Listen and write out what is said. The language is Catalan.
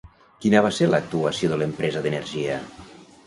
Quina va ser l'actuació de l'empresa d'energia?